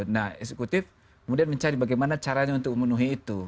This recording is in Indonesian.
nah eksekutif kemudian mencari bagaimana caranya untuk memenuhi itu